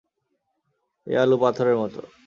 এই আলু পাথরের মতো।